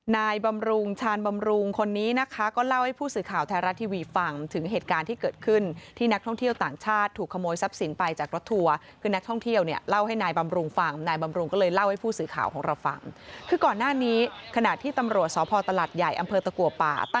บำรุงชาญบำรุงคนนี้นะคะก็เล่าให้ผู้สื่อข่าวไทยรัฐทีวีฟังถึงเหตุการณ์ที่เกิดขึ้นที่นักท่องเที่ยวต่างชาติถูกขโมยทรัพย์สินไปจากรถทัวร์คือนักท่องเที่ยวเนี่ยเล่าให้นายบำรุงฟังนายบำรุงก็เลยเล่าให้ผู้สื่อข่าวของเราฟังคือก่อนหน้านี้ขณะที่ตำรวจสพตลาดใหญ่อำเภอตะกัวป่าต